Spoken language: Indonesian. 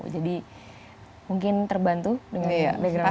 jadi mungkin terbantu dengan background olahraga